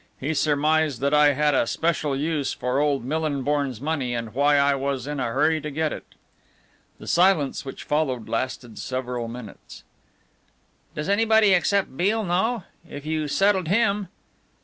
He surmised that I had a special use for old Millinborn's money and why I was in a hurry to get it." The silence which followed lasted several minutes. "Does anybody except Beale know? If you settled him...?"